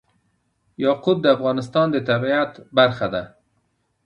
یاقوت د افغانستان د طبیعت برخه ده.